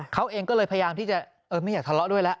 เขาเองก็เลยพยายามที่จะไม่อยากทะเลาะด้วยแล้ว